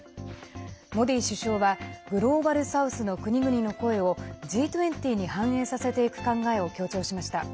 モディ首相はグローバル・サウスの国々の声をＧ２０に反映させていく考えを強調しました。